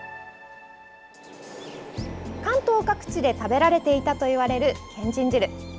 関東各地で食べられていたといわれる、けんちん汁。